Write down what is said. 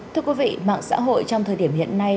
thưa quý vị mạng xã hội trong thời điểm hiện nay